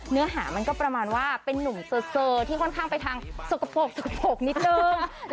เนื้อหามันก็ประมาณว่าเป็นนุ่มเซอร์ที่ค่อนข้างไปทางสกปรกสกปรกนิดนึง